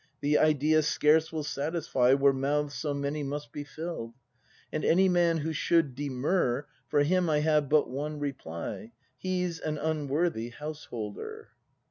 The idea scarce will satisfy Where mouths so many must be fill'd. And any man who should demur. For him I have but one reply, — He's an unworthy householder.